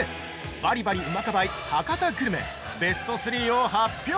バリバリうまかばい博多グルメベスト３を発表！